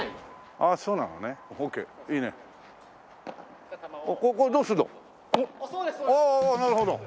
ああなるほど。